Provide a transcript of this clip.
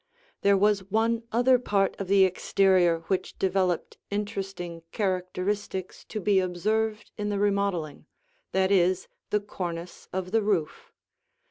There was one other part of the exterior which developed interesting characteristics to be observed in the remodeling: that is, the cornice of the roof.